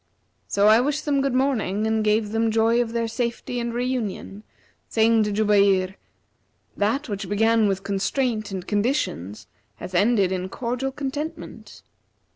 [FN#347] So I wished them good morning and gave them joy of their safety and reunion, saying to Jubayr, 'That which began with constraint and conditions hath ended in cordial contentment.'